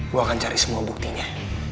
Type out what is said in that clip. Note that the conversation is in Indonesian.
gue akan cari semua buktinya